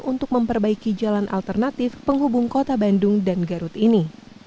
untuk memperbaiki jalan alternatif penghubung kota bandung dan garut ini